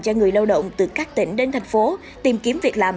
cho người lao động từ các tỉnh đến thành phố tìm kiếm việc làm